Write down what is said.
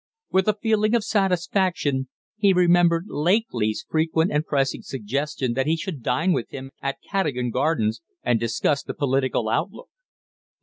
With a feeling of satisfaction he remembered Lakely's frequent and pressing suggestion that he should dine with him at Cadogan Gardens and discuss the political outlook.